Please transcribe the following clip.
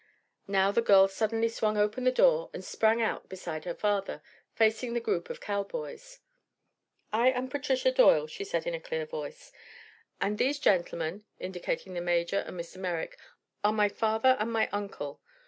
Now the girl suddenly swung open the door and sprang out beside her father, facing the group of cowboys. "I am Patricia Doyle," she said in a clear voice, "and these gentlemen," indicating the Major and Mr. Merrick, "are my father and my uncle.